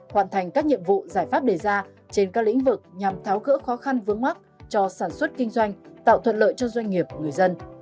hoàn thành các nhiệm vụ giải pháp đề ra trên các lĩnh vực nhằm tháo gỡ khó khăn vướng mắt cho sản xuất kinh doanh tạo thuận lợi cho doanh nghiệp người dân